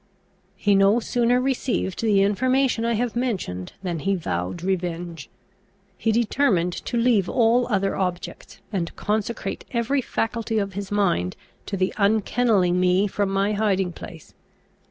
He no sooner received the information I have mentioned than he vowed revenge. He determined to leave all other objects, and consecrate every faculty of his mind to the unkennelling me from my hiding place.